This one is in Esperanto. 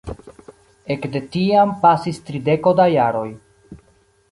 Ekde tiam pasis trideko da jaroj.